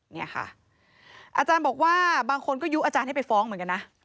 เนี่ยค่ะอาจารย์บอกว่าบางคนก็ยุอาจารย์ให้ไปฟ้องเหมือนกันนะ